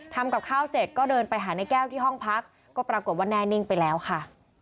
ทำกับข้าวเสร็จก็เดินไปหาในแก้วที่ห้องพักก็ปรากฏว่าแน่นิ่งไปแล้วค่ะ